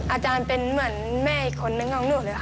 อาจารย์เป็นเหมือนแม่อีกคนนึงของหนูเลยค่ะ